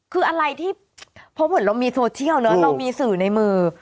คืออะไรที่เพราะเหมือนเรามีโซเชียลเนอะเรามีสื่อในมือ